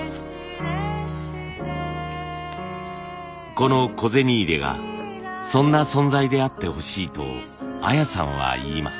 この小銭入れがそんな存在であってほしいと綾さんは言います。